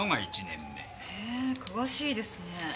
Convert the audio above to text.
へえ詳しいですね。